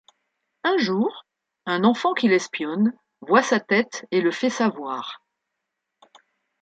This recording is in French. Un jour, un enfant qui l'espionne voit sa tête et le fait savoir.